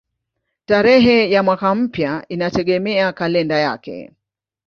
Tarehe ya mwaka mpya inategemea kalenda yake.